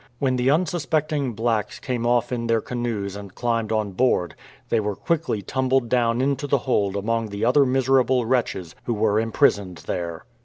When the unsuspecting blacks came off in their canoes and climbed on board, they were quickly tumbled down into the hold among the other miserable wretches who were imprisoned there.